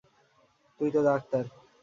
তুই তো ডাক্তার।